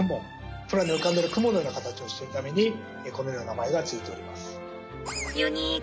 空に浮かんでいる雲のような形をしているためにこのような名前が付いております。